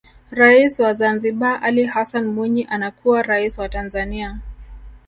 Rais wa Zanzibar Ali Hassan Mwinyi anakuwa Rais wa Tanzania